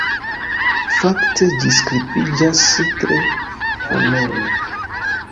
Fakte ĝi skribiĝas tre foneme.